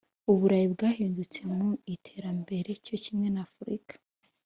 u Burayi bwahindutse mu iterambere cyo kimwe na Afurika